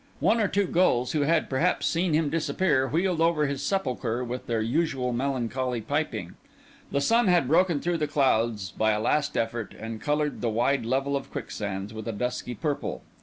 One or two gulls, who had, perhaps, seen him disappear, wheeled over his sepulchre with their usual melancholy piping. The sun had broken through the clouds by a last effort, and coloured the wide level of quicksands with a dusky purple.